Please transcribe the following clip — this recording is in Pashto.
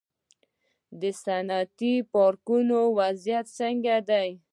د صنعتي پارکونو وضعیت څنګه دی؟